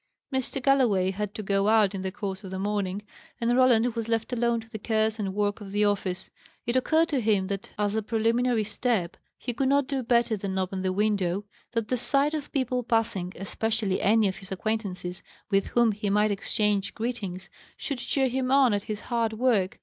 Mr. Galloway had to go out in the course of the morning, and Roland was left alone to the cares and work of the office. It occurred to him that, as a preliminary step, he could not do better than open the window, that the sight of people passing (especially any of his acquaintances, with whom he might exchange greetings) should cheer him on at his hard work.